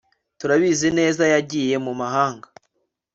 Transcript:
turabizi neza yagiye mumahanga